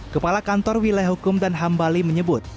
kepala kantor wilayah hukum dan ham bali menyebut